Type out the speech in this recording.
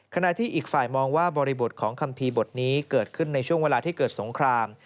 ขณะที่อีกฝ่ายมองว่าบริบทของคัมภีร์บทนี้เกิดขึ้นในช่วงเวลาที่เกิดสงคราม